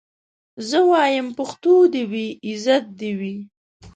زه وايم پښتو دي وي عزت دي وي